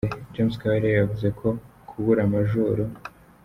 James Kabarebe yavuze ko kubura Maj.